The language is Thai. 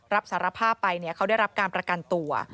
รับสารภาพไปเขาได้รับการประกันตัว